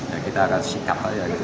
ya kita akan sikap aja gitu